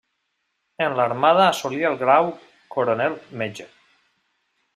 En l'Armada assolí el grau Coronel metge.